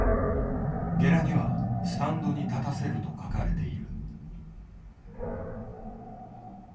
ゲラには「スタンドに『立たせる』」と書かれている。